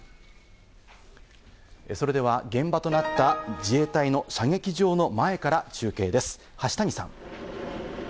それでは現場となった、自衛隊の射撃場の前から中継です、端谷さん。